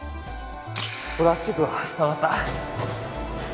俺あっち行くわ分かった